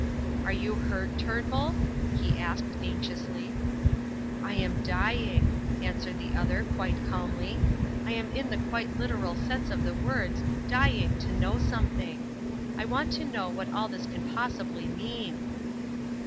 "Are you hurt, Turnbull?" he asked, anxiously. "I am dying," answered the other quite calmly. "I am in the quite literal sense of the words dying to know something. I want to know what all this can possibly mean."